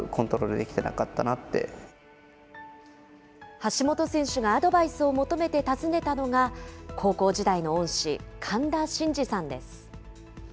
橋本選手がアドバイスを求めて訪ねたのが高校時代の恩師、神田真司さんです。